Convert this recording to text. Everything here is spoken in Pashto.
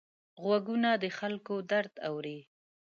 غوږونه د خلکو درد اوري